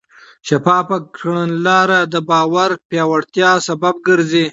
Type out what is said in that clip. شفافه کړنلاره د باور پیاوړتیا سبب ګرځي.